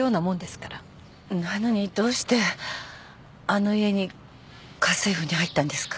なのにどうしてあの家に家政婦に入ったんですか？